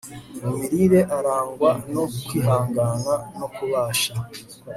mu mirire arangwa no kwihangana no kubasha